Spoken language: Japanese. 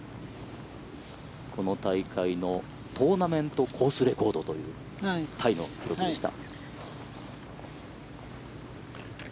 この大会のトーナメントコースレコードタイの記録でした。